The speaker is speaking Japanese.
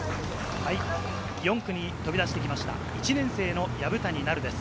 ４区に飛び出してきました、１年生の薮谷奈瑠です。